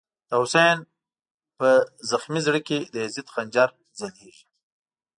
د «حسین» په زغمی زړه کی، د یزید خنجر ځلیږی